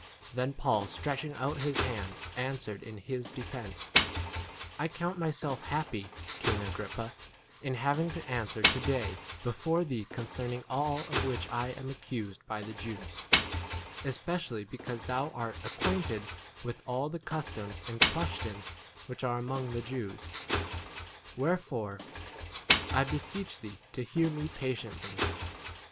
Then Paul stretching out his hand answered in his de 2 fence ; I count myself happy, king Agrippa, in having to answer to day before thee concerning all of which I am accused by the Jews, f T. R. reads 'says he' after 'to morrow.' s Laterally ' says.' 3 especially because thou art ac quainted with all the customs and questions which are among the Jews ; wherefore I beseech thee to 4 hear me patiently.